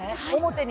表に？